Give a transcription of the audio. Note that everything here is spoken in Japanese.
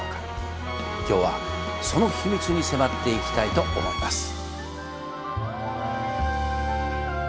今日はその秘密に迫っていきたいと思います。